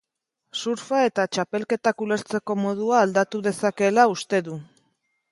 Surfa eta txapelketak ulertzeko modua aldatu dezakeela uste du.